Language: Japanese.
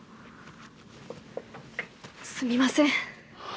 すみません。